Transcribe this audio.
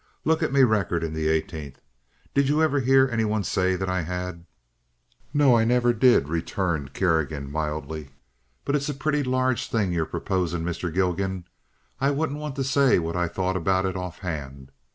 Look at me record in the eighteenth. Did you ever hear any one say that I had?" "No, I never did," returned Kerrigan, mildly. "But it's a pretty large thing you're proposing, Mr. Gilgan. I wouldn't want to say what I thought about it offhand.